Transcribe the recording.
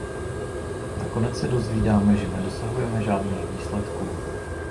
Nakonec se dozvídáme, že nedosahujeme žádných výsledků.